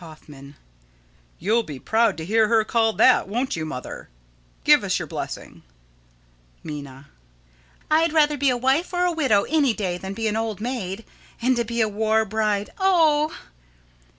Hoffman: You'll be proud to hear her called that, won't you, Mother? Give us your blessing. Minna: I'd rather be a wife or a widow any day than be an old maid; and to be a war bride oh!